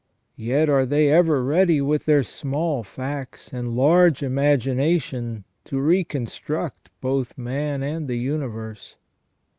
Yet are they ever ready with their small facts and large imagination to reconstruct both man and the universe.